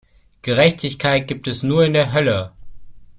Gerechtigkeit gibt es nur in der Hölle!